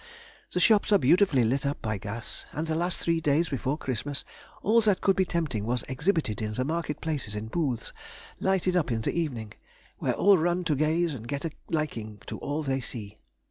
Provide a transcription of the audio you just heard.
The shops are beautifully lit up by gas, and the last three days before Christmas all that could be tempting was exhibited in the market places in booths lighted up in the evening, where all run to gaze and get a liking to all they see.